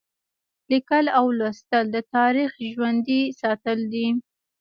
لیکل او لوستل د تاریخ ژوندي ساتل دي.